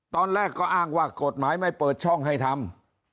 ตอนแรกก็อ้างว่ากฎหมายไม่เปิดช่องให้ทำ